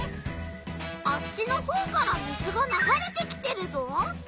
あっちのほうから水がながれてきてるぞ。